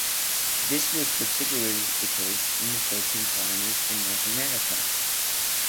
This was particularly the case in The Thirteen Colonies in North America.